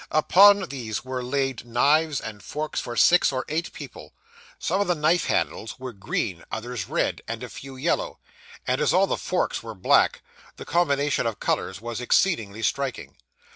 Upon these were laid knives and forks for six or eight people. Some of the knife handles were green, others red, and a few yellow; and as all the forks were black, the combination of colours was exceedingly striking.